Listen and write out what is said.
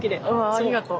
あありがとう。